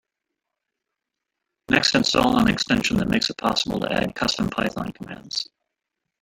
Next, install an extension that makes it possible to add custom Python commands.